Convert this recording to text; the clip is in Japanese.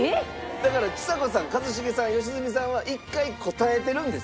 だからちさ子さん一茂さん良純さんは一回答えてるんです。